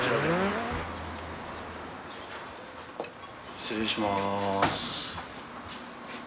失礼します。